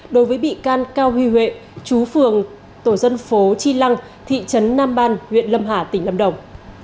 đối với bị can cao huy huệ chú phường tổ dân phố chi lăng thị trấn nam ban huyện lâm hà tỉnh lâm đồng